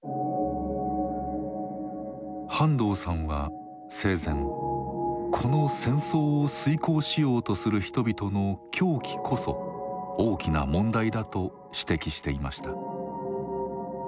半藤さんは生前この戦争を遂行しようとする人々の「狂気」こそ大きな問題だと指摘していました。